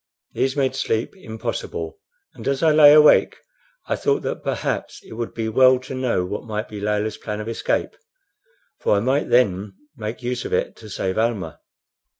These made sleep impossible, and as I lay awake I thought that perhaps it would be well to know what might be Layelah's plan of escape, for I might then make use of it to save Almah.